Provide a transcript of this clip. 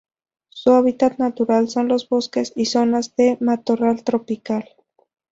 Su hábitat natural son los bosques y zonas de matorral tropical.